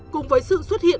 cùng với sự xuất hiện